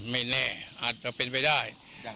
ไม่แน่อาจจะเป็นไปได้